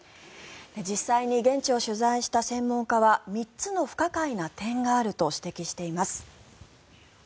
実際に現地を取材した専門家は３つの不可解な点があると指摘しています。